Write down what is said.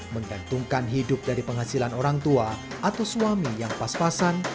menggantungkan hidup dari penghasilan orang tua atau suami yang pas pasan